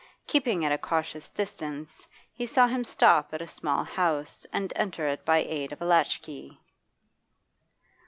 Keeping at a cautious distance, he saw him stop at a small house and enter it by aid of a latchkey.